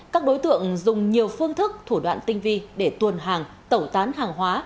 các đối tượng dùng nhiều phương thức thủ đoạn tinh vi để tuồn hàng tẩu tán hàng hóa